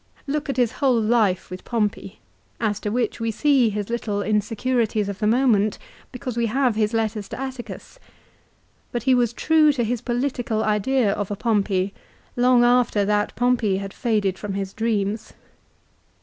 Look at his whole life with Pompey, as to which we see his little insincerities of the moment because we have his letters to Atticus ; but he was true to his political idea of a Pompey long after that Pompey had faded from his dreams.